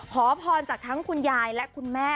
ขอพรจากทั้งคุณยายและคุณแม่